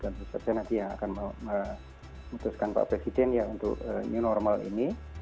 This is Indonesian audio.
tentu saja nanti yang akan memutuskan pak presiden ya untuk new normal ini